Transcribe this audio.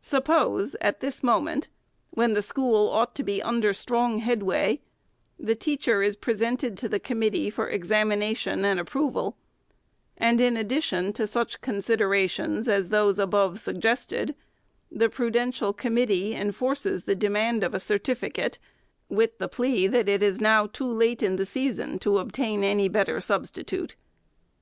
Suppose, at this moment, when the school ought to be under strong headway, the teacher is presented to the committee for examination and approval ; and, in addition to such considerations as those above suggested, the prudential committee enforces the demand of a certificate with the plea, that it is now too late in the season to obtain any better substitute.